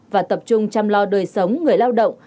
và tập trung chăm lo đời sống người lao động